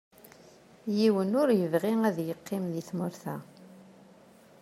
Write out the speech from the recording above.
Yiwen ur yebɣi ad yeqqim di tmurt-a.